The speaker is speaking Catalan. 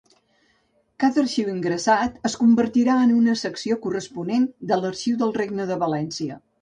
Cada arxiu ingressat es convertirà en una secció corresponent de l'Arxiu del Regne de València.